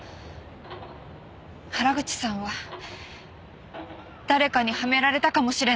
原口さんは誰かにはめられたかもしれないんです。